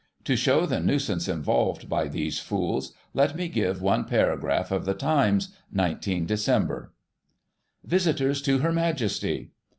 To show the nuisance involved by these fools let me give one paragraph out of the Times y 19 Dec. : Visitors to Her Majesty.